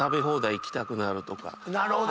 なるほど！